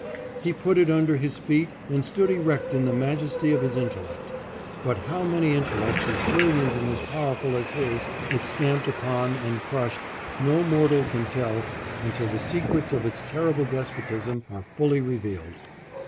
He put it under his feet and stood erect in the majesty of his intellect; but how many intellects as brilliant and as powerful as his it stamped upon and crushed, no mortal can tell until the secrets of its terrible despotism are fully revealed.